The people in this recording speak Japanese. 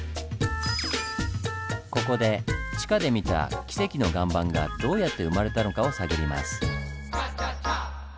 ここで地下で見た「キセキの岩盤」がどうやって生まれたのかを探ります。